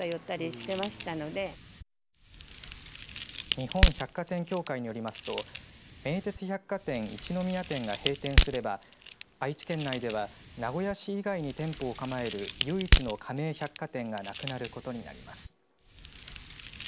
日本百貨店協会によりますと名鉄百貨店一宮店が閉店すれば愛知県内では名古屋市以外に店舗を構える唯一の加盟百貨店がなくなることになります。